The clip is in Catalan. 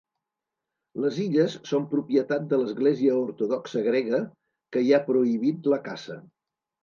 Les illes són propietat de l'Església Ortodoxa Grega, que hi ha prohibit la caça.